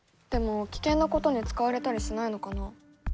でも危険なことに使われたりしないのかな？